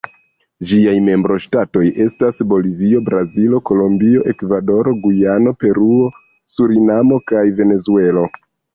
Ĝiaj membroŝtatoj estas Bolivio, Brazilo, Kolombio, Ekvadoro, Gujano, Peruo, Surinamo kaj Venezuelo.